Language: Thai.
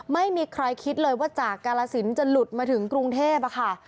ไม่มีใครคิดเลยว่าจากกาลสินจะหลุดมาถึงกรุงเทพค่ะ